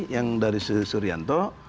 yang dari sri suryanto